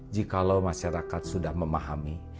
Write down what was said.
jikalau masyarakat sudah memahami